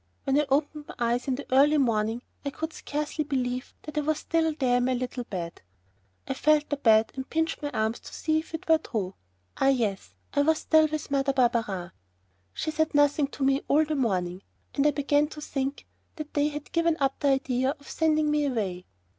When I opened my eyes in the early morning I could scarcely believe that I was still there in my little bed. I felt the bed and pinched my arms to see if it were true. Ah, yes, I was still with Mother Barberin. She said nothing to me all the morning, and I began to think that they had given up the idea of sending me away.